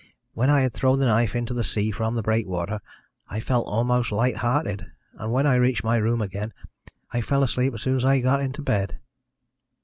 When I had thrown the knife into the sea from the breakwater I felt almost lighthearted, and when I reached my room again I fell asleep as soon as I got into bed.